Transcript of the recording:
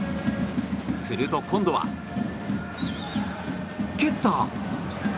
すると今度は蹴った？